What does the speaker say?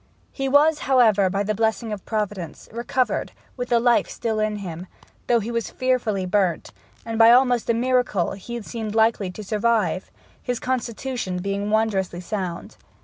He was, however, by the blessing of Providence, recovered, with the life still in him, though he was fearfully burnt; and by almost a miracle he seemed likely to survive, his constitution being wondrously sound.